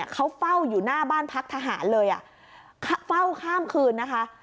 เขาเฝ้าอยู่หน้าบ้านพักทหารเลยเฝ้าข้ามคืนนะคะ